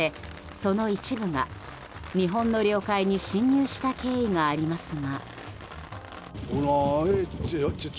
その一部が日本の領海に侵入した経緯がありますが。